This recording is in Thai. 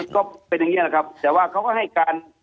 ก็เป็นอย่างนี้แหละครับแต่ว่าเขาก็ให้การ